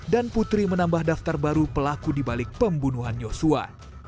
dan putri menambah daftar baru pelaku dibalik pembunuhan yosua